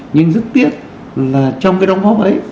nhưng rất tiếc là trong cái đóng góp ấy